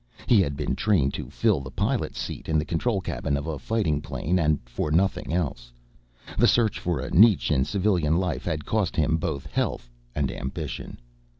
He had been trained to fill the pilot's seat in the control cabin of a fighting plane and for nothing else. The search for a niche in civilian life had cost him both health and ambition.